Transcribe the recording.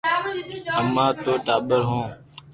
امارآ نو ٽاٻر ھي